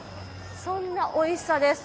そんなおいしさです。